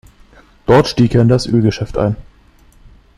Dort stieg er in das Ölgeschäft ein.